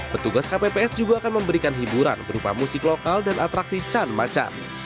petugas kpps juga akan memberikan hiburan berupa musik lokal dan atraksi can macan